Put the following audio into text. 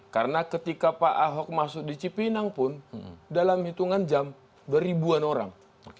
karena ketika pak ahok masuk di cipinang pun dalam hitungan jam beribuan orang